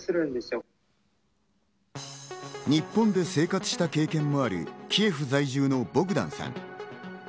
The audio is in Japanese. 日本で生活した経験もあるキエフ在住のボグダンさん。